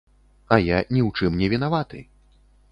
А я ні ў чым не вінаваты.